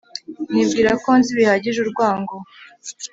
Nibwira ko nzi bihagije urwango